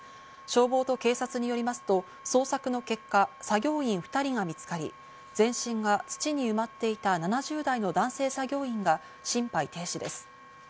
消防と警察によりますと、捜索の結果、作業員２人が見つかり、全身が土に埋まっていた７０代の男性作業員が心肺停止です。